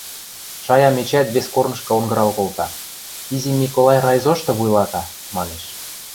Шаям эчеӓт вес корнышкы онгырал колта: – Изи Миколай райзошты вуйлата, – манеш.